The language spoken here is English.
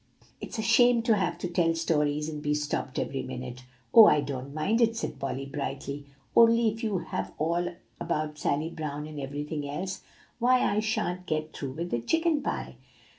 It's a shame to have to tell stories and be stopped every minute." "Oh, I don't mind it!" said Polly brightly; "only if you have all about Sally Brown and everything else, why I sha'n't get through with the chicken pie."